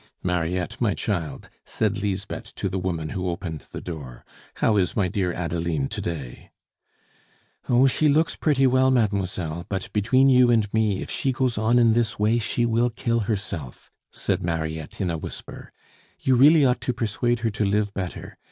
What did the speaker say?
"Mariette, my child," said Lisbeth to the woman who opened the door, "how is my dear Adeline to day?" "Oh, she looks pretty well, mademoiselle; but between you and me, if she goes on in this way, she will kill herself," said Mariette in a whisper. "You really ought to persuade her to live better.